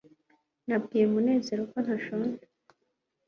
nabwiye munezero ko ntashonje